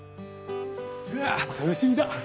うわ楽しみだ！